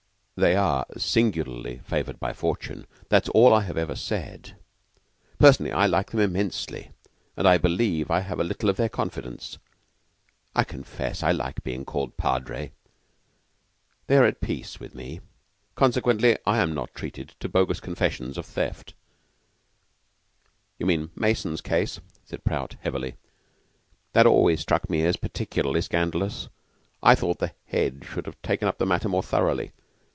"They are singularly favored by fortune. That is all I ever said. Personally, I like them immensely, and I believe I have a little of their confidence. I confess I like being called 'Padre.' They are at peace with me; consequently I am not treated to bogus confessions of theft." "You mean Mason's case?" said Prout heavily. "That always struck me as peculiarly scandalous. I thought the Head should have taken up the matter more thoroughly.